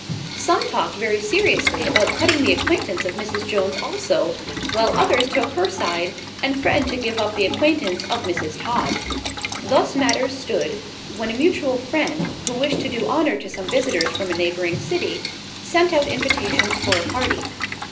Some talked very seriously about cutting the acquaintance of Mrs. Jones also, while others took her side and threatened to give up the acquaintance of Mrs. Todd. Thus matters stood, when a mutual friend, who wished to do honour to some visitors from a neighbouring city, sent out invitations for a party.